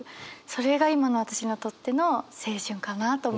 それが今の私にとっての青春かなと思います。